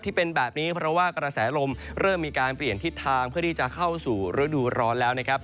ที่เป็นแบบนี้เพราะว่ากระแสลมเริ่มมีการเปลี่ยนทิศทางเพื่อที่จะเข้าสู่ฤดูร้อนแล้วนะครับ